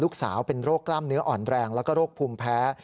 ลูกสาวเป็นโรคกล้ามเนื้ออ่อนแรงแล้วก็โรคภูมิแพ้